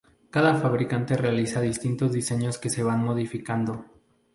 Cada fabricante realiza distintos diseños que se van modificando.